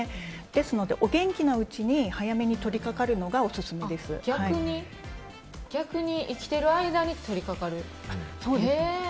ですのでお元気なうちに早めに取り掛かるのが逆に生きてる間に取り掛かる？